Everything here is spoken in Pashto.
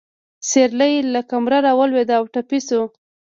سېرلی له کمره راولوېده او ټپي شو.